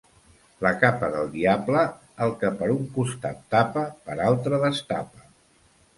La capa del diable, el que per un costat tapa, per altre destapa.